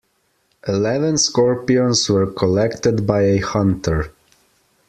Eleven scorpions were collected by a hunter.